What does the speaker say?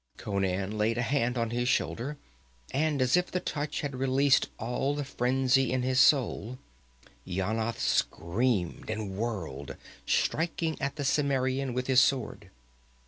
Conan laid a hand on his shoulder, and as if the touch had released all the frenzy in his soul, Yanath screamed and whirled, striking at the Cimmerian with his sword.